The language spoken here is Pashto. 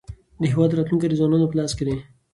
د هېواد راتلونکی د ځوانانو په لاس کې دی.